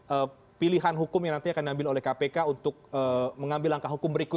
apakah itu contoh yang adalah pas mengambil angka hukum di durian kiri